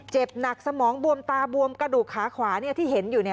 เจ็บหนักสมองบวมตาบวมกระดูกขาขวาที่เห็นอยู่